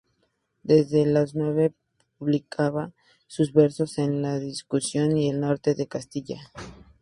Desde los nueve publicaba sus versos en "La Discusión" y "El Norte de Castilla".